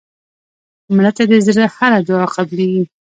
مړه ته د زړه هره دعا قبلیږي